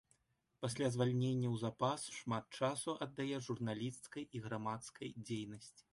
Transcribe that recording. Пасля звальнення ў запас шмат часу аддае журналісцкай і грамадскай дзейнасці.